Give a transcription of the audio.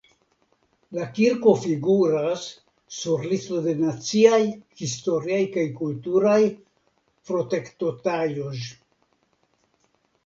La kirko figuras sur listo de naciaj historiaj kaj kulturaj protektotaĵoj.